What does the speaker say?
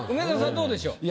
どうでしょう？